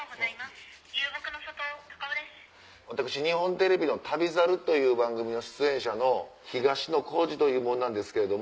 私日本テレビの『旅猿』という番組の出演者の東野幸治という者なんですけれど。